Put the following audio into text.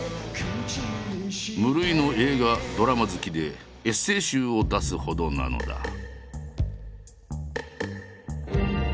無類の映画ドラマ好きでエッセー集を出すほどなのだ。